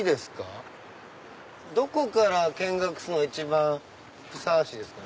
どこから見学するのが一番ふさわしいですか？